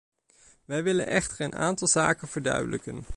Wij willen echter een aantal zaken verduidelijken.